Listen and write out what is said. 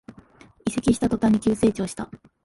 移籍した途端に急成長した